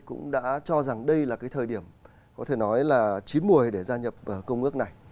cũng đã cho rằng đây là cái thời điểm có thể nói là chín mùi để gia nhập công ước này